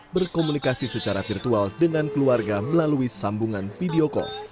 berkomunikasi secara virtual dengan keluarga melalui sambungan video call